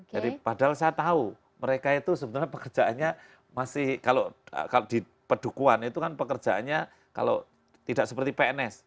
jadi padahal saya tahu mereka itu sebenarnya pekerjaannya masih kalau di pedukuan itu kan pekerjaannya kalau tidak seperti pns